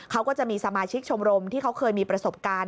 เขาก็จะมีสมาชิกชมรมที่เขาเคยมีประสบการณ์